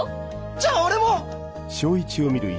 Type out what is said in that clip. じゃ俺も！